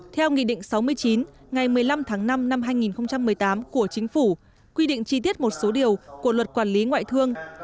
theo nghị định sáu mươi chín ngày một mươi năm tháng năm năm hai nghìn một mươi tám của chính phủ quy định chi tiết một số điều của luật quản lý ngoại thương